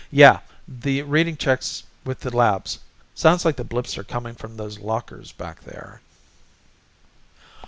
Yeah! This reading checks with the lab's. Sounds like the blips're coming from those lockers back there."